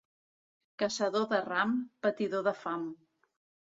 Caçador de ram, patidor de fam.